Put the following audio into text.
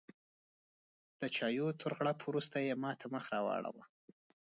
د چایو تر غوړپ وروسته یې ماته مخ راواړوه.